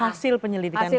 hasil penyelidikan komnas